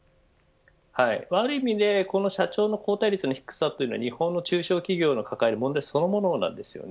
悪い意味で社長の交代率の低さというのは日本の中小企業の抱える問題そのものです。